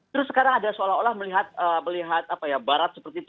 terus sekarang ada seolah olah melihat barat seperti itu